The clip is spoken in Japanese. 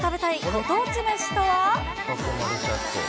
ご当地めしとは？